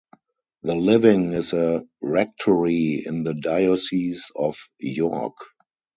The living is a rectory in the diocese of York.